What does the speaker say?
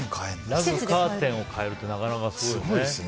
ラグ、カーテンを変えるってなかなかすごいよね。